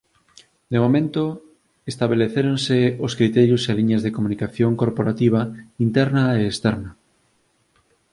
De momento establecéronse os criterios e liñas de comunicación corporativa interna e externa.